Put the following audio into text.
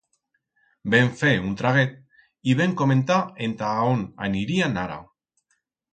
Vem fer un traguet y vem comentar enta aón anirían ara.